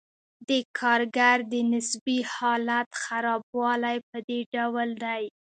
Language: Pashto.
د کارګر د نسبي حالت خرابوالی په دې ډول دی